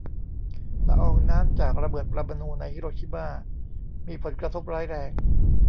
ละอองน้ำจากระเบิดปรมาณูในฮิโรชิม่ามีผลกระทบร้ายแรง